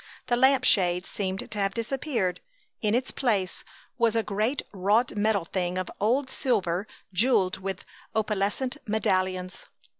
The lamp shade seemed to have disappeared. In its place was a great wrought metal thing of old silver jeweled with opalescent medallions.